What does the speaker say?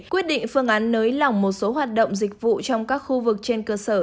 quyết định phương án nới lỏng một số hoạt động dịch vụ trong các khu vực trên cơ sở